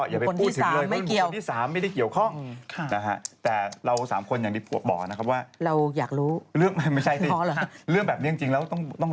อย่าไปพูดถึงเลยเพราะว่าผมเป็นคนที่สามไม่ได้เกี่ยวข้อง